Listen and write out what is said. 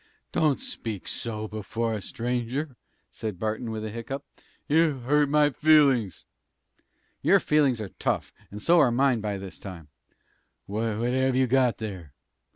"Don't speak so before a stranger," said Barton, with a hiccough. "You hurt my feelin's." "Your feelin's are tough, and so are mine by this time." "What have you got there?"